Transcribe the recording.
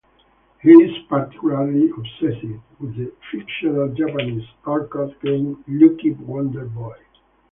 He is particularly obsessed with the fictional Japanese arcade game "Lucky Wander Boy".